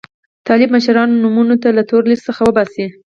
د طالب مشرانو نومونه له تور لیست څخه وباسي.